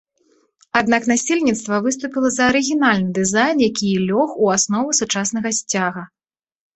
Аднак насельніцтва выступіла за арыгінальны дызайн, які і лёг у аснову сучаснага сцяга.